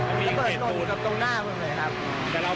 ระเบิดจนตรงหน้ามึงเลยครับ